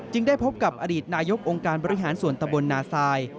ได้พบกับอดีตนายกองค์การบริหารส่วนตะบลนาซาย